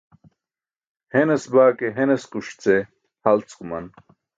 Henas baa ke henaskuṣ ce halc̣ guman.